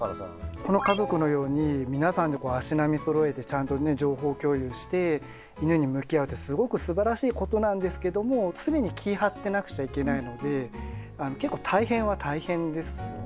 この家族のように皆さんで足並みそろえてちゃんとね情報共有して犬に向き合うってすごくすばらしいことなんですけども常に気ぃ張ってなくちゃいけないので結構大変は大変ですよね。